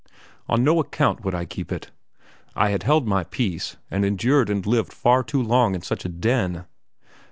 On no account would I keep it. I had held my peace, and endured and lived far too long in such a den.